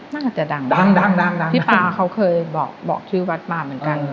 น่าจะดังพี่ปลาเค้าเคยบอกชื่อวัดมาเหมือนกัน